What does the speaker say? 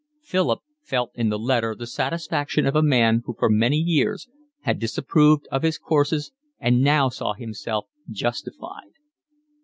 Philip felt in the letter the satisfaction of a man who for many years had disapproved of his courses and now saw himself justified.